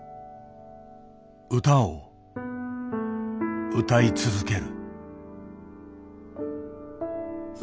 歌を歌い続ける。